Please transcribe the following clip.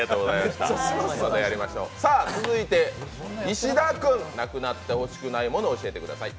さあ続いて、石田君、無くなってほしくないもの教えてください。